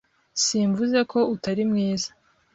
Simvuze ko utari mwiza.